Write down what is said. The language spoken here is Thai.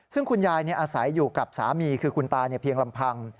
ซึ่งคุณยายอาศัยอยู่กับสามีคือคุณตาเพียงลำพัง